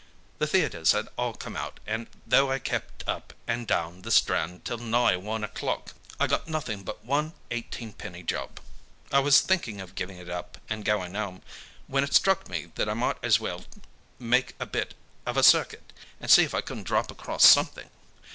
The theatres had all come out, and though I kept up and down the Strand till nigh one o'clock, I got nothing but one eighteenpenny job. I was thinking of giving it up and going home, when it struck me that I might as well make a bit of a circuit, and see if I couldn't drop across something.